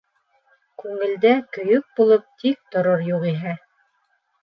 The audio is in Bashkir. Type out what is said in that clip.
Күңелдә көйөк булып тик торор юғиһә...